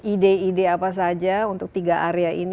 ide ide apa saja untuk tiga area ini